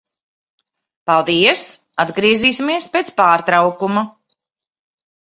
Paldies. Atgriezīsimies pēc pārtraukuma.